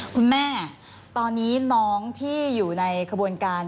คุณแม่ตอนนี้น้องที่อยู่ในขบวนการ